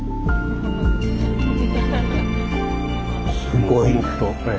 すごいね。